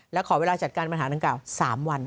และขอเวลาจัดการปัญหาดังกล่าว๓วัน